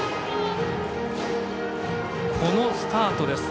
このスタートです。